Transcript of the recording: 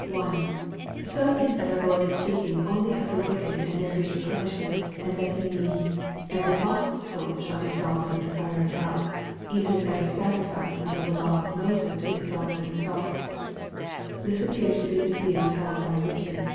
1. Some think that our Lord is speaking only of the wicked and their future punishment, and that He means " Every lost soul shall l>e salted with the fire of hell, even as every sacrifice under the law Df Moses is salted with salt." This appears to be the view held by Whitby.